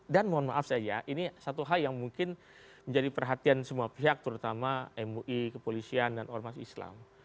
dan mohon maaf saja ini satu hal yang mungkin menjadi perhatian semua pihak terutama mui kepolisian dan ormas islam